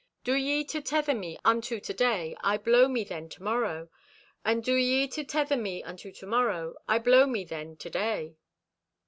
Do ye to tether me unto today I blow me then tomorrow, and do ye to tether me unto tomorrow I blow me then today."